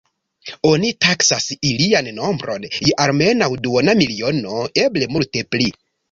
Oni taksas ilian nombron je almenaŭ duona miliono, eble multe pli.